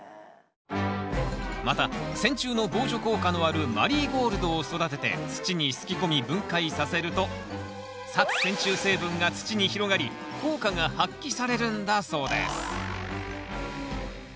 またセンチュウの防除効果のあるマリーゴールドを育てて土にすき込み分解させると殺センチュウ成分が土に広がり効果が発揮されるんだそうです